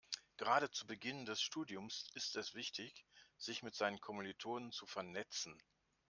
Gerade zu Beginn des Studiums ist es wichtig, sich mit seinen Kommilitonen zu vernetzen.